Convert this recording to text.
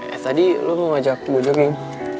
eh tadi lo mau ngajak gue dengerin